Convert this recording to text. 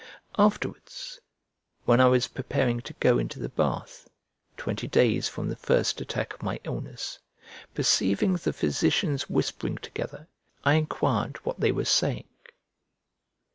Afterwards, when I was preparing to go into the bath, twenty days from the first attack of my illness, perceiving the physicians whispering together, I enquired what they were saying.